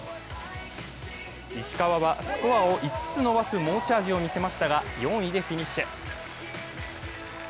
石川はスコアを５つ伸ばす猛チャージを見せましたが４位でフィニッシュ。